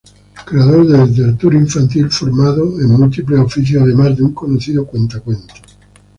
Creador de literatura infantil formado en múltiples oficios, además de un conocido cuentacuentos.